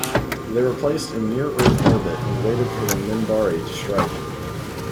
They were placed in near-Earth orbit and waited for the Minbari to strike.